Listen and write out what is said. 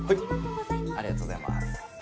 ありがとうございます。